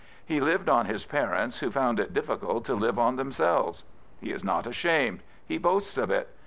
He lived on his parents, who found it difficult to live on themselves. He is not ashamed: he boasts of it.